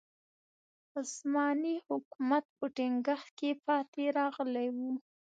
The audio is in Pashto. عثماني حکومت په ټینګښت کې پاتې راغلی و.